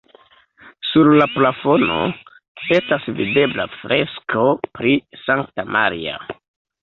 Sur la plafono estas videbla fresko pri Sankta Maria.